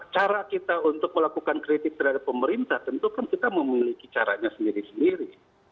cara kita untuk melakukan kritik terhadap pemerintah tentu kan kita memiliki caranya sendiri sendiri